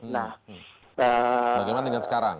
nah bagaimana dengan sekarang